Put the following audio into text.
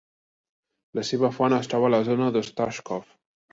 La seva font es troba a la zona d'Ostashkov.